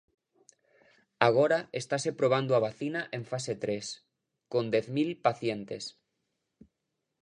Agora estase probando a vacina en fase tres, con dez mil pacientes.